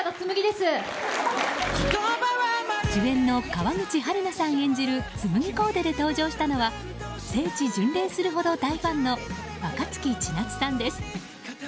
主演の川口春奈さん演じる紬コーデで登場したのは聖地巡礼するほど大ファンの若槻千夏さんです。